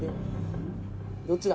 「どっちだ？」